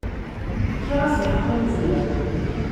Fkiɣ-as lḥeqq i Meẓyan.